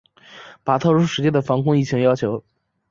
把特殊时期的防控疫情要求